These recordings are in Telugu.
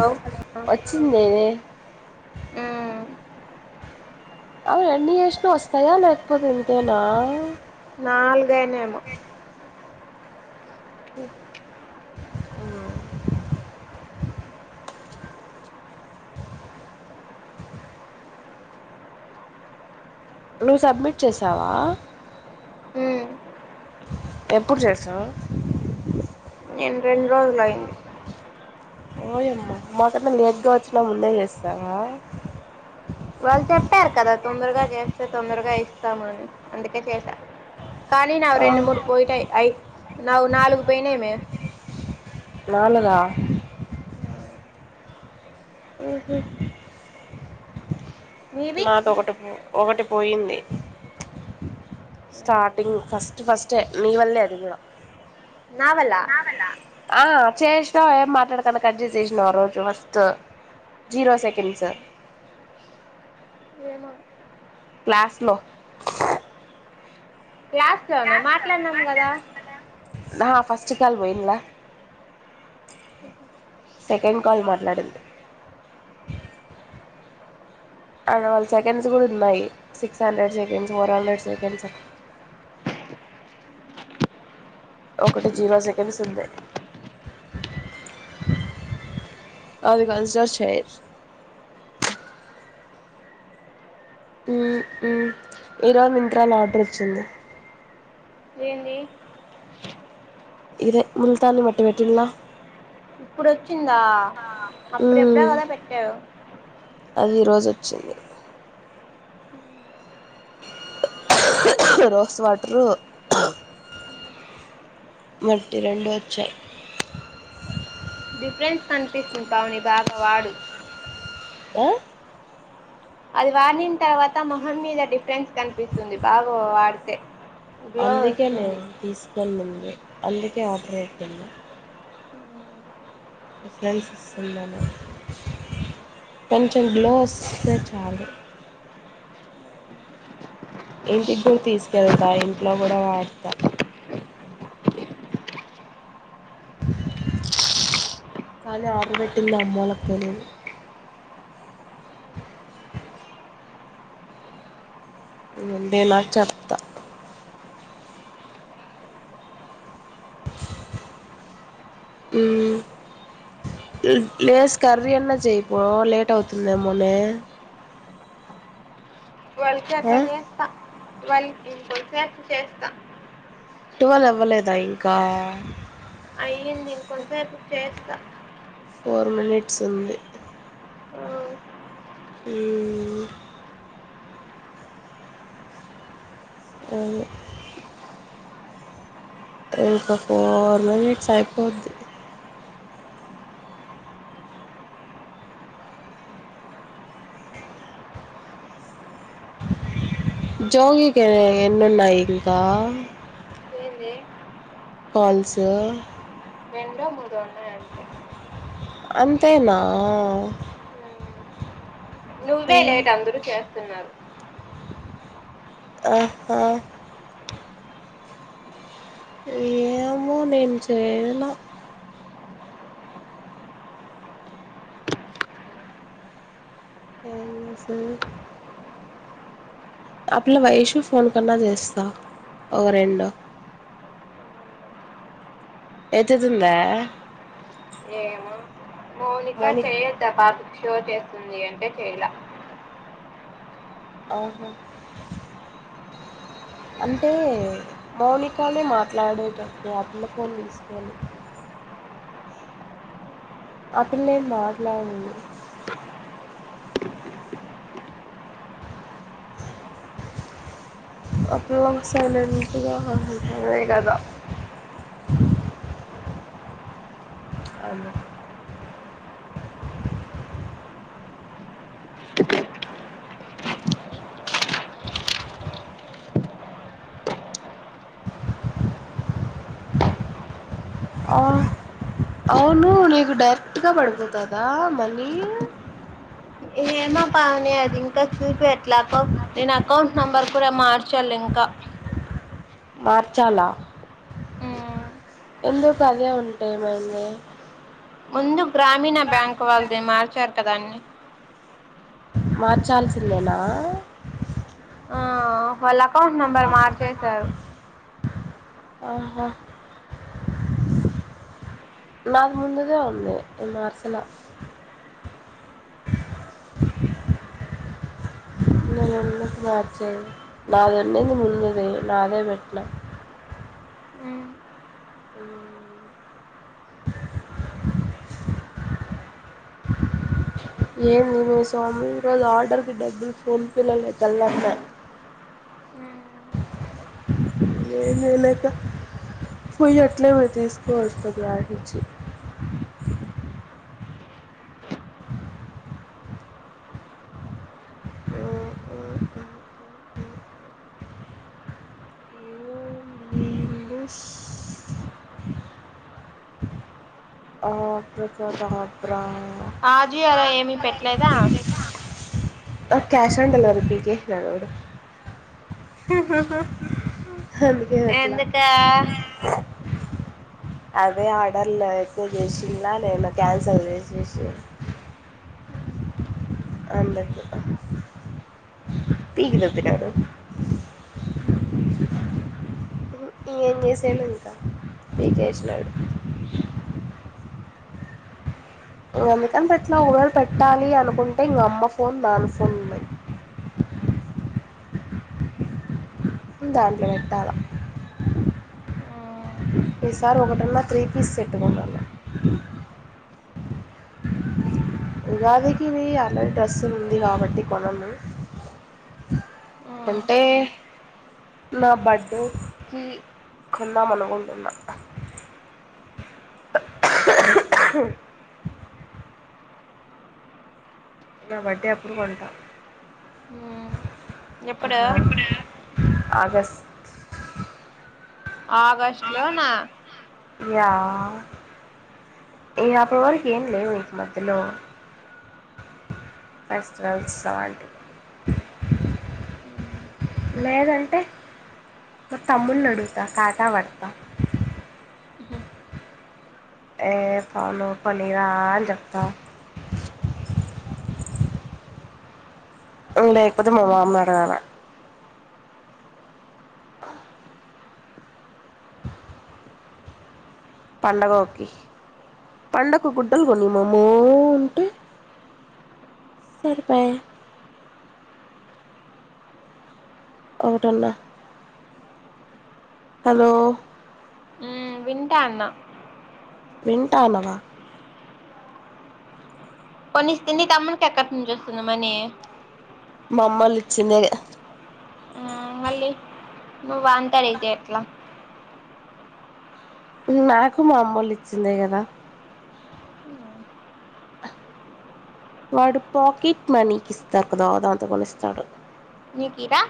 లో, వచ్చింది హు ఔను ఎన్ని చేస్నా వస్తానే ఉన్నయ్ లేపోతే ఇంతేనా నాలుగేనేమో ఆ నీ సబ్మిట్ చేసావా. మ్మ్. ఎప్పుడు చేసావ్. నిన్ రెండు రోజులు అయింది. ఓయమ్మా మా కన్నా లేట్గా వచ్చినా ముందే చేస్సావా. వాళ్ళు చెప్పారు కదా తొందరగా చేస్సే తొందరగా ఇస్తాము అని అందుకే చేసా కానీ నావి ఆ రెండు మూడు పోయ్ టయ్ ఐ నావ్ నాలుగు పోయినాయ్ మె నాలుగ ఆహా నీవి నాది ఒకటి పో ఒకటి పోయింది. స్టార్టింగ్ ఫస్ట్ ఫస్టే నీ వల్లే అది కూడా నావల్ల? ఆ చేసా ఏం మాట్లాడకండా కట్ చేసేసిన ఆ రోజు ఫస్ట్ జీరో సెకండ్స్ ఏమో క్లాస్ లో క్లాస్ లో నా మాట్లాన్నాం గదా నా ఫస్ట్ కాల్ పోయిన్లా సెకండ్ కాల్ మాట్లాడింది అండ్ వాళ్ళ సెకండ్స్ కూడా ఉన్నాయి six hundred seconds four hundred seconds ఒకటి జీరో సెకండ్స్ ఉంది అది కన్సిడర్ చేయ మ్ మ్ ఈరోజు మిన్త్రాలో ఆర్డర్ వచ్చింది ఏందీ? ఇదే ముల్తాన్ మట్టవెటిన్లా ఇప్పుడొచ్చిందా అప్పుడు ఎప్పుడో మ్మ్ గదా పెట్టావ్ జొచ్చింది రోస్ వాట్రు మట్టి రెండు వచ్చాయి డిఫరెన్స్ కనిపిస్తుంది పావని బాగా వాడు ఆ? అది వాడిన్ తర్వాత మొహం మీద డిఫరెన్స్ కనిపిస్తుంది బాగా వాడితే గ్లో అందుకే వస్తుంది నేను తీసుకేల్లింది అందుకే ఆర్డర్ ఐపోయింది రఫ్రెన్స్ వస్తుందానే కొంచెం గ్లో వస్తే చాలు ఇంటికి కూడా తీసుకెళ్తా ఇంట్లో గూడా వాడతా కానీ ఆర్డర్ పెట్టింది అమ్మోళ కి తెలీదు నేనా చెప్తా మ్ మ్ లేస్ కర్రీ అన్నా చేయిపో లేట్ అవుతుందేమోనే ట్వల్కి ఆ అట్లా చేస్తా ట్వల్వ్ కీ ఇంకా కొంచెసేపు చేస్తా టువెల్ అవ్వలేదా ఇంకా అయ్యంది ఇం కొంతసేపు చేస్త స్త ఫోర్ మినిట్స్ ఉంది ఉమ్, ఉమ్ అవును ఇంకా ఫోర్ మినిట్స్ అయిపోద్ది జోగికి ఎన్నన్నాయి ఇంకా ఏంది కాల్స్ రెండో ముడో ఉన్నాయంతె అంతేనా ఉమ్, నువ్వే అయ్యి లేట్ అందరుచెయ్ స్తున్నారు ఆహా ఏమో నేను చేయలా యన్న సరే ఆ పిల్లా వైషు ఫోన్ కన్నా చేస్తా ఒగ రెండు ఎత్తుతుందా మోనిక మౌని చేయ్యొద్దా పాపకి షో చేస్తుంది అంటే చేయాల ఆహ అంటే మౌనికానే మాట్లాడేటటు ఆ పిల్ల ఫోన్ తీసుకొని ఆ పిల్లేం మాట్లాడ్ ముందు ఆ పిల్లా సైలంట్గా ఉంటమే గదా అ అవును నీకు డైరెక్ట్గా పడిపోతదా మనీ ఏమో పవని అది ఇంకా చూపియట్లే కో నేను అకౌంట్ నంబర్ కూడా మార్చాల్ ఇంకా మార్చాలా ఉమ్. ఎందుకు అదే ఉంటె ఏమైంది ముందు గ్రామీణ బ్యాంక్ వాల్ద మార్చర్ కాద అని మార్చాల్సిందేనా ఆ హోలక్ కౌంట్ నంబర్ మార్చేశారు ఆహ నాది ముందుదే ఉంది నేన్ మార్సలా నేన్నుప్పుడు మార్చాలా నాదండేది ముందుది నాదే పెట్టినా హ్మ్ ఏమి మీరోజు స్వామి రోజు ఆర్డర్కి డబ్బులు ఫోన్ పే లే కెలట్లే ఏం జేయలేదు తా పోయ్ అట్లే [unintelligible] ఆ ఆ ఆ ఆ ఆ ఓం భీం బుష్ అబ్రక దబ్ర అజియోలో ఏమి పెట్లేదా క్యాష్ అన్ డెలివరి పీకేస్నాడు వాడు అందుకని పేట్లా ఎందుకా అదే ఆర్డర్లు అయితే చేసిందా నేను క్యాన్సల్ చేసేసి అందుకు తీన్ పెట్టినారు ఏం చేసెనే ఇంకా పీకేసాడు ఇంగా అందుకని పేట్లా ఒకవేళ పెట్టాలి అనుకుంటే ఇక అమ్మ ఫోన్ నాన్న ఫోన్ ఉన్నది దాంట్లో పెట్టాల ఈసారి ఒకటన్నా త్రీ పీస్ సెట్ కొనాల ఉగాదికి ఆల్రెడీ డ్రెస్సులు ఉంది కాబట్టి కొనను అంటే నా బర్త్డేకి కొందాం అనుకుంటున్నా. నా బర్డే అప్పుడు కొంటా ఎప్పుడు అప్పుడు వరకు ఆగస్ట్ ఆగస్టు లో నా యా ఈ అప్పటి వరకు ఏం లేవు ఇక మధ్యలో ఫెస్టివల్స్ లాంటివి లేదంటే నా తమ్మున్ని అడుగుతా కాకా పడతా ఏ ఫోను కోనిరా అని చెప్తా లేకపోతే మా మామని అడగాల ఆ పండగ ఒకి పండగకు గుడ్డలు కొనీ మామ అంటే సరిపాయ ఒకటి అన్న హలో వింటాన్న వింటానవా కొనిస్తే నీ తమ్ముడికి ఎక్కడి నుంచి వస్తుంది మనీ మా అమ్మళ్ళు ఇచ్చిండేదే మళ్ళీ ను వాంతో అడిగితే ఎట్లా నాకు మా అమ్మళ్లు ఇచ్చిందే కదా వాడు పాకెట్ మనీకి ఇస్తారు కదా దాంతో కొనిస్తాడు నీకుయిరా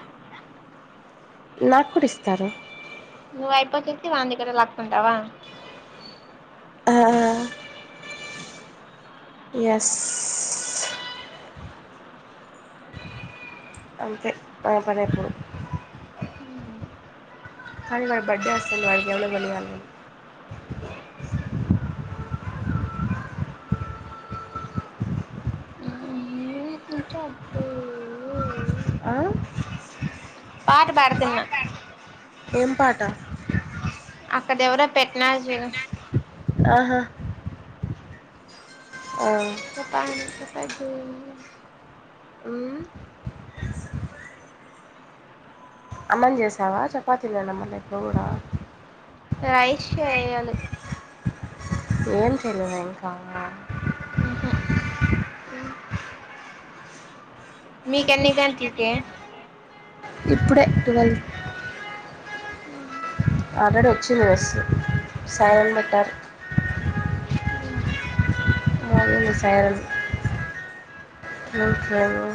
నా కూడా ఇస్తారు నువ్వు అయిపోకోకి వాందేగ్గర లాక్కుంటావా ఆ ఎస్ అంతే నా పనేప్పుడు కానీ వాడి బర్త్డే వస్తుంది వాడికి ఏమైనా కొనియాలి మ్మ్, చెప్పు. ఆ పాట పాడతున్న ఏం పాట అక్కడ ఎవరో పెట్టినారు చూడు ఆహా ఆ చపాని చెపా దూ హ్మ్ అన్నం చేసావా చపాతినేనా మళ్ళీ ఇప్పుడు కూడా రైస్ చేయాలి ఏం చేయలేదయింకా ఉహు. మిక్ ఎన్ని గంటలకి ఇప్పుడే ట్వీల్వ్ అల్రెడీ వచ్చింది మెస్ సైన్ పెట్టాలి అదే లే సైరన్ ఇంకేమి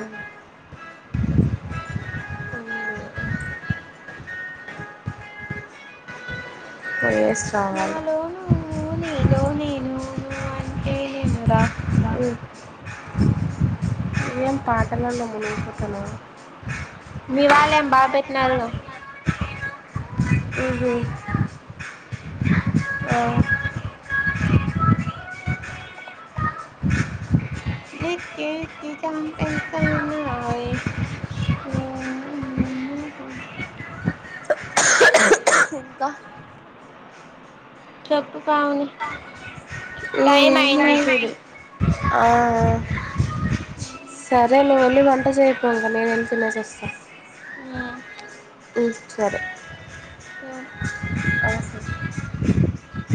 మ్మ్. వేసి రావాలి నువునేను నువు రా ఏం పాటలాలలో మునిగిపోతున్నావ్ మీ వాళ్ళు ఏం బాగా పెట్టినారు హ్మ్ హు హ [inaudible] ఇంకా చెప్పు పావని టైం ఏం అయింది లేదు. చూడు సరే నువ్వు వెళ్ళి వంట చేయిపో నేను వెళ్లి తినేసి వస్తాను ఉమ్. సరే సర